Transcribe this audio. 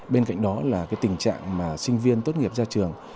bên cạnh đó là tình trạng sinh viên tốt nghiệp ra trường